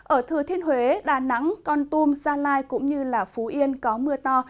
ở thừa thiên huế đà nẵng con tum gia lai cũng như phú yên có mưa to